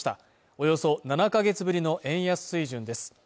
およそ７か月ぶりの円安水準です。